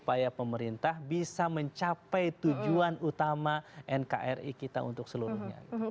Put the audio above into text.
supaya pemerintah bisa mencapai tujuan utama nkri kita untuk seluruhnya